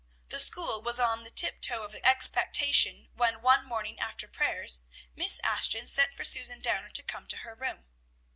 The school was on the tiptoe of expectation, when, one morning after prayers, Miss Ashton sent for Susan Downer to come to her room.